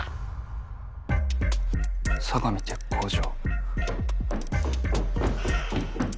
「相模鉄工所」。